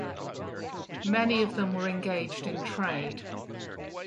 Many of them were engaged in trade.